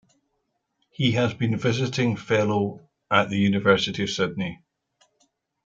He has been a visiting fellow at the University of Sydney.